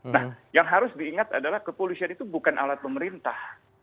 nah yang harus diingat adalah kepolisian itu bukan alat pemerintah